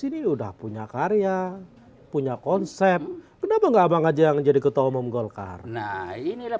sini udah punya karya punya konsep kenapa enggak abang aja yang jadi ketua umum golkar nah inilah